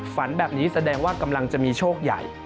ฝันแบบนี้แสดงว่ากำลังจะมีโชคใหญ่